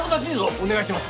お願いします！